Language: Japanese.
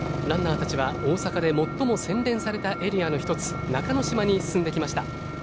ランナーたちは大阪で最も洗練されたエリアの１つ中之島に進んできました。